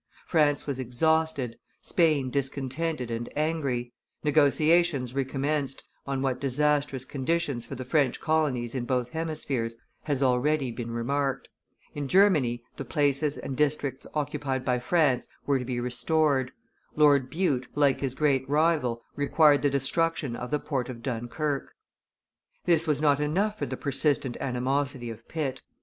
France was exhausted, Spain discontented and angry; negotiations recommenced, on what disastrous conditions for the French colonies in both hemispheres has already been remarked; in Germany the places and districts occupied by France were to be restored; Lord Bute, like his great rival, required the destruction of the port of Dunkerque. This was not enough for the persistent animosity of Pitt.